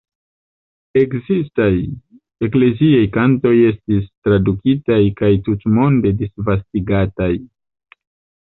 Ekzistaj ekleziaj kantoj estis tradukitaj kaj tutmonde disvastigataj.